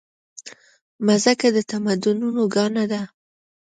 مځکه د تمدنونو ګاڼه ده.